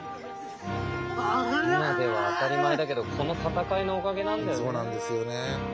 今では当たり前だけどこの闘いのおかげなんだよね。